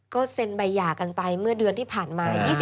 ก็เซ็นใบหย่ากันไปเมื่อเดือนที่ผ่านมา